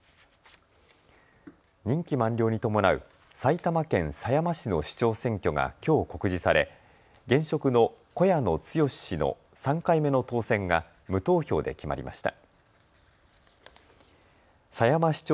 任期満了に伴う埼玉県狭山市の市長選挙がきょう告示され現職の小谷野剛氏の３回目の当選が無投票で決まりました。